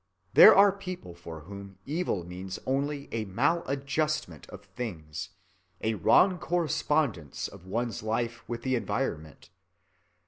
There are people for whom evil means only a mal‐adjustment with things, a wrong correspondence of one's life with the environment.